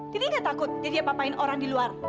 jadi nggak takut jadi apa apain orang di luar